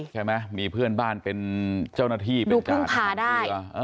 ใช่ไหมมีเพื่อนบ้านเป็นเจ้าหน้าที่เป็นการพาได้